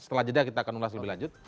setelah jeda kita akan ulas lebih lanjut